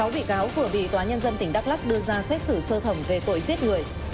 sáu bị cáo vừa bị tòa nhân dân tỉnh đắk lắc đưa ra xét xử sơ thẩm về tội giết người